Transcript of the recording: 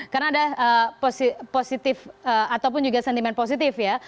karena ada positif ataupun juga sentimen positif ya